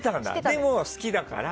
でも好きだから。